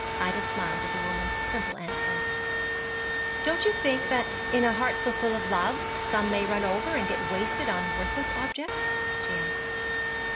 Ida smiled at the mother's simple answer. 'Don't you think that in a heart so full of love some may run over and get wasted on worthless objects?' she asked.